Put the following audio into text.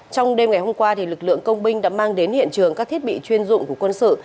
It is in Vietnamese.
trong đêm ngày hôm qua lực lượng công binh đã mang đến hiện trường các thiết bị chuyên dụng của quân sự